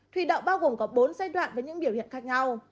thủy đậu bao gồm có bốn giai đoạn với những biểu hiện khác nhau